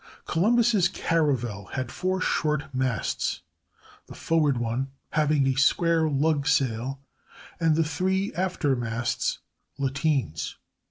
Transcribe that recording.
Columbus's "caravel" had four short masts, the forward one having a square lug sail and the three after masts lateens.